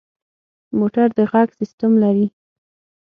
موټر د غږ سیسټم لري.